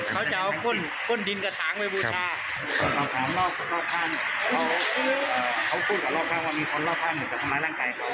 เขาจะเอาข้นดินกระทางไปบูชา